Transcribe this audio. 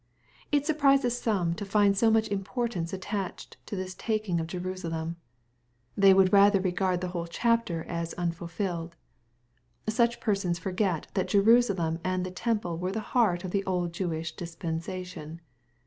It surprises some to find so much importance attached to the taking of Jerusalem. They would rather regard the whole chapter as unfulfilled. Such persons forget that Jenisalem and the temple were the heart of the old Jewish dispensation.